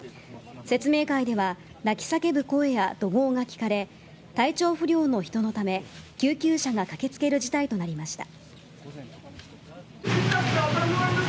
説明会では泣き叫ぶ声や怒号が聞かれ体調不良の人のため救急車が駆けつける事態となりました。